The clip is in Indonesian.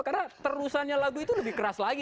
karena terusannya lagu itu lebih keras lagi